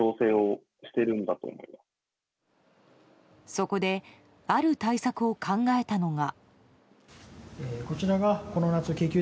そこである対策を考えたのが。